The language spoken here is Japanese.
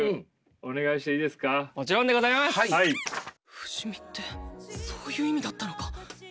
不死身ってそういう意味だったのか。